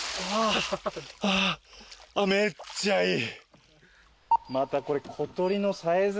あめっちゃいい。